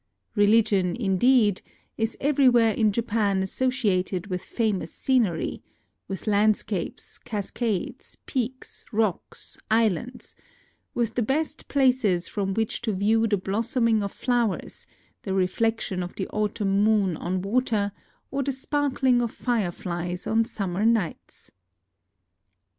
Religion, indeed, is every where in Japan associated with famous scen ery: with landscapes, cascades, peaks, rocks, islands ; with the best places from which to view the blossoming of flowers, the reflection of the autumn moon on water, or the spark ling of fireflies on summer nights.